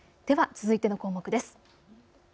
では続いての項目です。